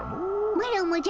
マロもじゃ。